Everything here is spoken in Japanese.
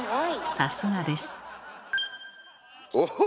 さすがです。